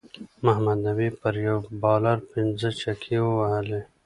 محمد نبی پر یو بالر پنځه چکی ووهلی